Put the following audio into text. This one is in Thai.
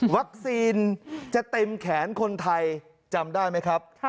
จะเต็มแขนคนไทยจำได้ไหมครับ